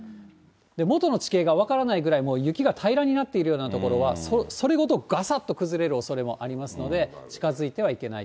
元の地形が分からないぐらい、もう雪が平らになっているような所は、それごとがさっと崩れるおそれもありますので、近づいてはいけない。